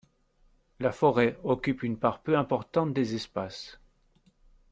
La forêt occupe une part peu importante des espaces.